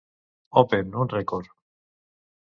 Open, un rècord.